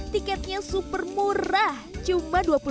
tiketnya super murah cuma dua puluh ribu rupiah